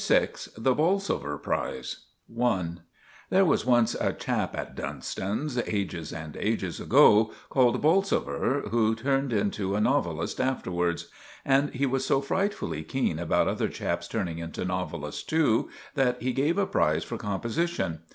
VI* *THE 'BOLSOVER' PRIZE* *I* There was once a chap at Dunstan's, ages and ages ago, called Bolsover, who turned into a novelist afterwards; and he was so frightfully keen about other chaps turning into novelists too that he gave a prize for composition.